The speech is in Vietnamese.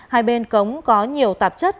hai bên cống có nhiều tạp chất